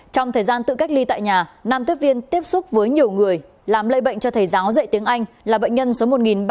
trong thời gian tự cách ly tại nhà nam tiết viên tiếp xúc với nhiều người làm lây bệnh cho thầy giáo dạy tiếng anh là bệnh nhân số một nghìn ba trăm bốn mươi hai